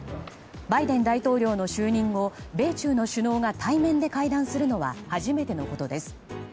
バイデン大統領の就任後米中の首脳が対面で会談するのは初めてのことです。